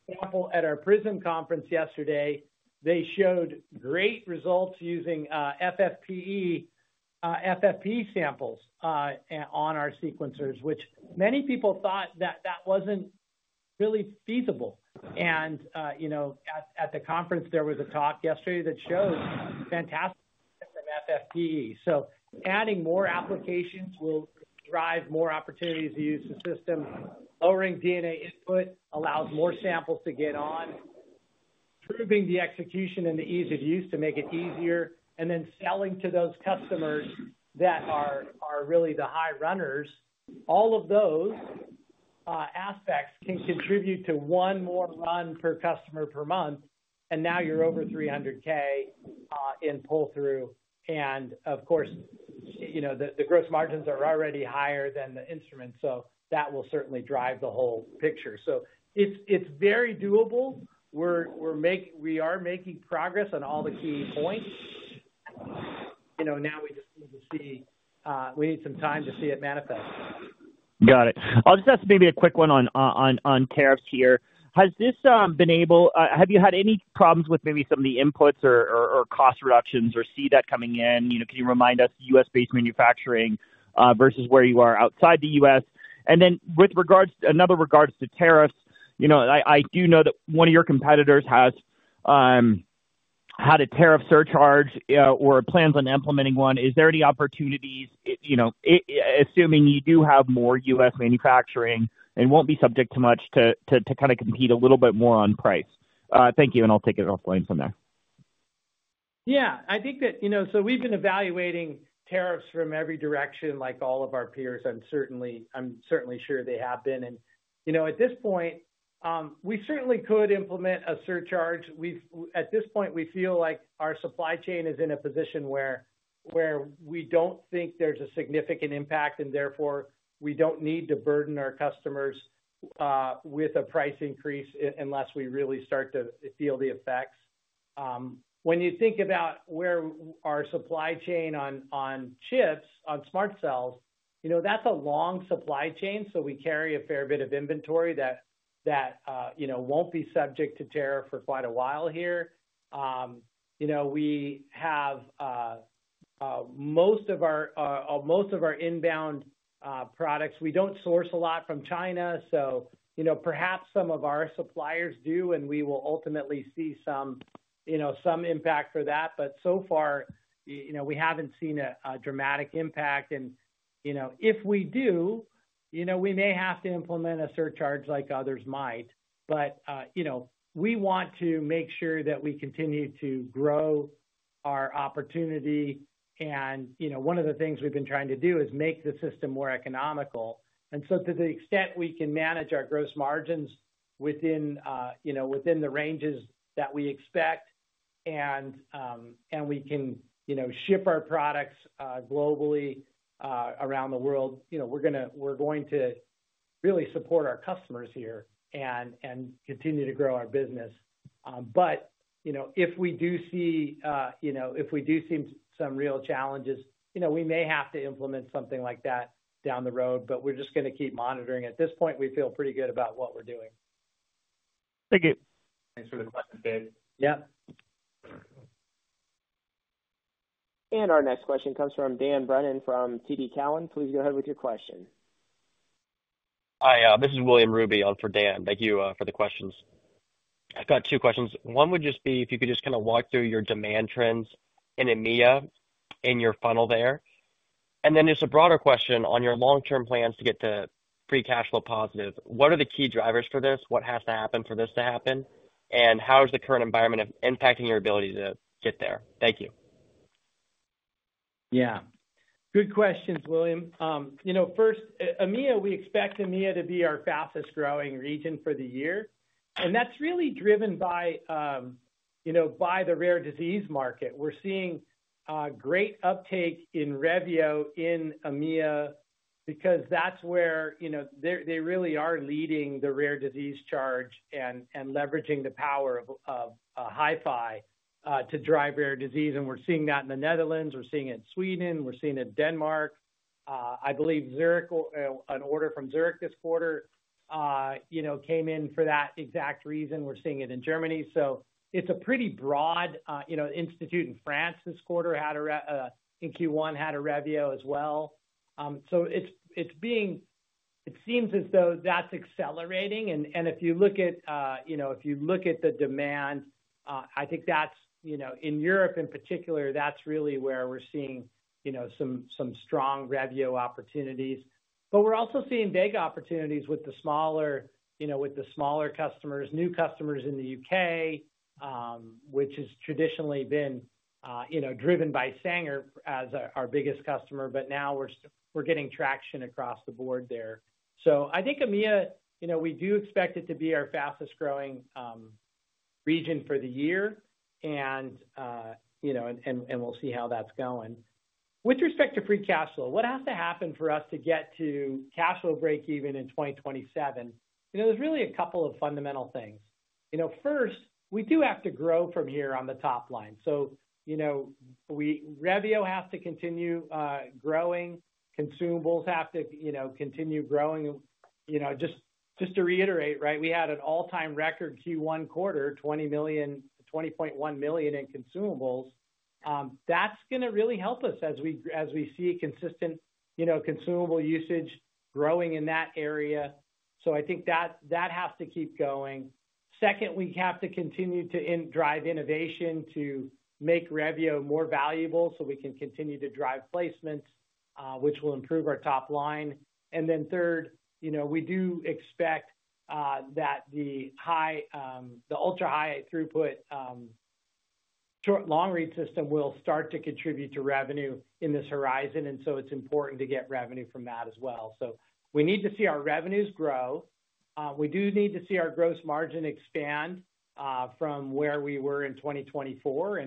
For example, at our PRISM conference yesterday, they showed great results using FFPE samples on our sequencers, which many people thought that that was not really feasible. At the conference, there was a talk yesterday that showed fantastic from FFPE. Adding more applications will drive more opportunities to use the system. Lowering DNA input allows more samples to get on, improving the execution and the ease of use to make it easier, and then selling to those customers that are really the high runners. All of those aspects can contribute to one more run per customer per month. Now you are over $300,000 in pull-through. Of course, the gross margins are already higher than the instruments. That will certainly drive the whole picture. It is very doable. We are making progress on all the key points. Now we just need to see, we need some time to see it manifest. Got it. I'll just ask maybe a quick one on tariffs here. Has this been able, have you had any problems with maybe some of the inputs or cost reductions or see that coming in? Can you remind us U.S.-based manufacturing versus where you are outside the U.S.? With regards to tariffs, I do know that one of your competitors has had a tariff surcharge or plans on implementing one. Is there any opportunities, assuming you do have more U.S. manufacturing and will not be subject to much, to kind of compete a little bit more on price? Thank you. I'll take it offline from there. Yeah. I think that, so we've been evaluating tariffs from every direction, like all of our peers. I'm certainly sure they have been. At this point, we certainly could implement a surcharge. At this point, we feel like our supply chain is in a position where we do not think there is a significant impact, and therefore, we do not need to burden our customers with a price increase unless we really start to feel the effects. When you think about where our supply chain on chips, on SMRT Cells, that is a long supply chain. We carry a fair bit of inventory that will not be subject to tariff for quite a while here. We have most of our inbound products. We do not source a lot from China. Perhaps some of our suppliers do, and we will ultimately see some impact from that. So far, we have not seen a dramatic impact. If we do, we may have to implement a surcharge like others might. We want to make sure that we continue to grow our opportunity. One of the things we've been trying to do is make the system more economical. To the extent we can manage our gross margins within the ranges that we expect and we can ship our products globally around the world, we're going to really support our customers here and continue to grow our business. If we do see some real challenges, we may have to implement something like that down the road, but we're just going to keep monitoring. At this point, we feel pretty good about what we're doing. Thank you. Thanks for the question, Dave. Yep. Our next question comes from Dan Brennan from TD Cowen. Please go ahead with your question. Hi. This is William Ruby on for Dan. Thank you for the questions. I've got two questions. One would just be if you could just kind of walk through your demand trends in EMEA in your funnel there. Then there's a broader question on your long-term plans to get to pre-cash flow positive. What are the key drivers for this? What has to happen for this to happen? How is the current environment impacting your ability to get there? Thank you. Yeah. Good questions, William. First, EMEA, we expect EMEA to be our fastest growing region for the year. That's really driven by the rare disease market. We're seeing great uptake in Revio in EMEA because that's where they really are leading the rare disease charge and leveraging the power of HiFi to drive rare disease. We're seeing that in the Netherlands. We're seeing it in Sweden. We're seeing it in Denmark. I believe an order from Zurich this quarter came in for that exact reason. We're seeing it in Germany. It is a pretty broad institute in France this quarter had a in Q1 had a Revio as well. It seems as though that's accelerating. If you look at the demand, I think that's in Europe in particular, that's really where we're seeing some strong Revio opportunities. We're also seeing big opportunities with the smaller customers, new customers in the U.K., which has traditionally been driven by Sanger as our biggest customer. Now we're getting traction across the board there. I think EMEA, we do expect it to be our fastest growing region for the year. We'll see how that's going. With respect to pre-cash flow, what has to happen for us to get to cash flow breakeven in 2027? There's really a couple of fundamental things. First, we do have to grow from here on the top line. Revio has to continue growing. Consumables have to continue growing. Just to reiterate, right, we had an all-time record Q1 quarter, $20.1 million in consumables. That's going to really help us as we see consistent consumable usage growing in that area. I think that has to keep going. Second, we have to continue to drive innovation to make Revio more valuable so we can continue to drive placements, which will improve our top line. Third, we do expect that the ultra-high throughput long-read system will start to contribute to revenue in this horizon. It is important to get revenue from that as well. We need to see our revenues grow. We do need to see our gross margin expand from where we were in 2024.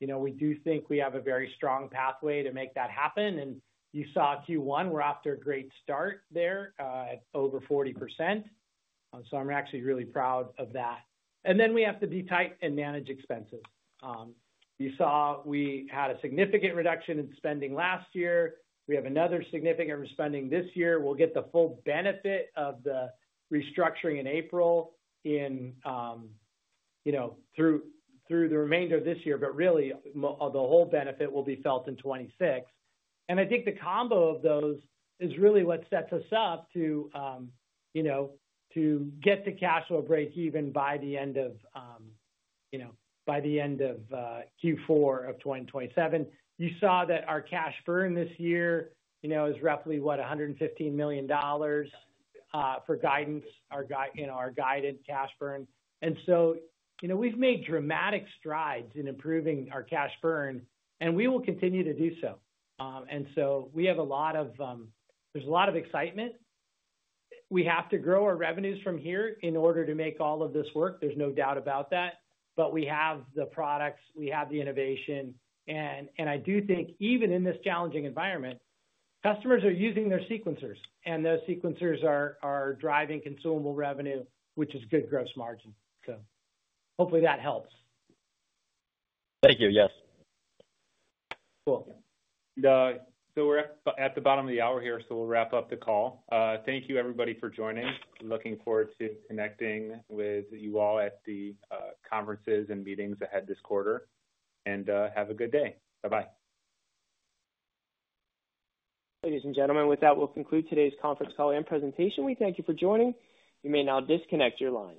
We do think we have a very strong pathway to make that happen. You saw Q1, we're off to a great start there at over 40%. I'm actually really proud of that. We have to be tight and manage expenses. You saw we had a significant reduction in spending last year. We have another significant spending this year. We'll get the full benefit of the restructuring in April through the remainder of this year. Really, the whole benefit will be felt in 2026. I think the combo of those is really what sets us up to get the cash flow break even by the end of Q4 of 2027. You saw that our cash burn this year is roughly what, $115 million for guidance, our guided cash burn. We have made dramatic strides in improving our cash burn. We will continue to do so. We have a lot of, there is a lot of excitement. We have to grow our revenues from here in order to make all of this work. There is no doubt about that. We have the products. We have the innovation. I do think even in this challenging environment, customers are using their sequencers. Those sequencers are driving consumable revenue, which is good gross margin. Hopefully that helps. Thank you. Yes. Cool. We are at the bottom of the hour here. We will wrap up the call. Thank you, everybody, for joining. Looking forward to connecting with you all at the conferences and meetings ahead this quarter. Have a good day. Bye-bye. Ladies and gentlemen, with that, we will conclude today's conference call and presentation. We thank you for joining. You may now disconnect your line.